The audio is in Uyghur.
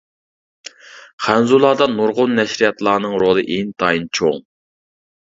خەنزۇلاردا نۇرغۇن نەشرىياتلارنىڭ رولى ئىنتايىن چوڭ.